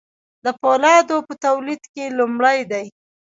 د فولادو په تولید کې لومړی دي.